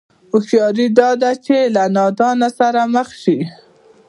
هوښياري دا ده چې له نادانه سره مخ شي.